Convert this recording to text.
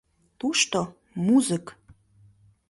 Тушто — музык!